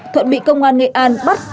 thuận bị công an nghệ an bắt